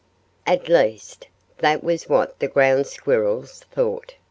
At least, that was what the ground squirrels thought.